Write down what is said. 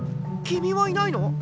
君はいないの？